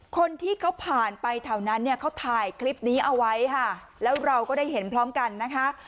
คนที่เขาผ่านไปแถวนั้นเนี่ยเขาถ่ายคลิปนี้เอาไว้ค่ะแล้วเราก็ได้เห็นพร้อมกันนะคะ